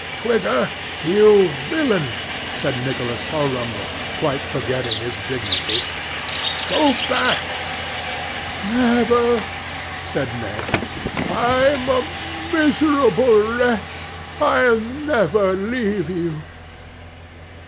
'Twigger, you villain!' said Nicholas Tulrumble, quite forgetting his dignity, 'go back.' 'Never,' said Ned. 'I'm a miserable wretch. I'll never leave you.